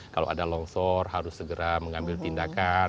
kalau ada longsor harus segera mengambil tindakan